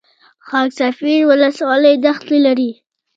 خاک سفید ولسوالۍ دښتې لري؟